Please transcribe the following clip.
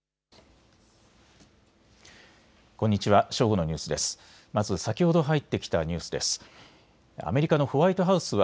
こんにちは。